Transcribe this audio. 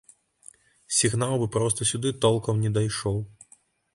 Сігнал бы проста сюды толкам не дайшоў.